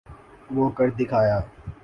وہ کر دکھایا۔